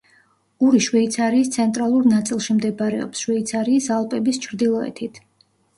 ური შვეიცარიის ცენტრალურ ნაწილში მდებარეობს, შვეიცარიის ალპების ჩრდილოეთით.